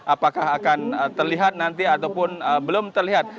apakah akan terlihat nanti ataupun belum terlihat